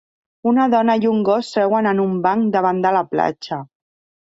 Una dona i un gos seuen en un banc davant de la platja.